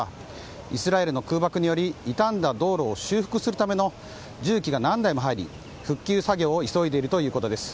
イスラエルの空爆により傷んだ道路を修復するための重機が何台も入り、復旧作業を急いでいるということです。